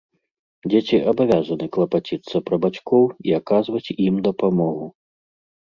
Дзеці абавязаны клапаціцца пра бацькоў, і аказваць ім дапамогу.